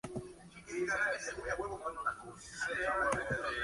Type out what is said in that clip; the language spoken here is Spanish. Pueden encontrarse en forma soluble o unidos a la membrana.